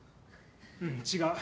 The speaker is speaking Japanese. うん違う。